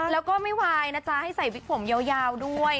แล้วก็ไม่วายนะจ๊ะให้ใส่วิกผมยาวด้วย